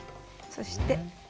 そして。